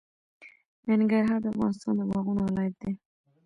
ننګرهار د افغانستان د باغونو ولایت دی.